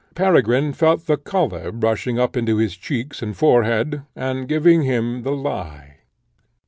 Peregrine felt the colour rushing up into his cheeks and forehead, and giving him the lie.